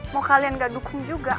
mau kalian gak dukung juga